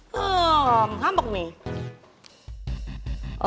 hmm ngambek nih